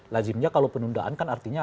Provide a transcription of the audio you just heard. lazimnya kalau penundaan kan artinya